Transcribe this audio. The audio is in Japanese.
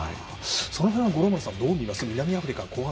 その辺は五郎丸さんどう見ますか？